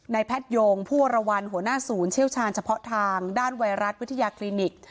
แพทยงผู้วรวรรณหัวหน้าศูนย์เชี่ยวชาญเฉพาะทางด้านไวรัสวิทยาคลินิก